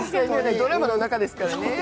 ドラマの中ですからね。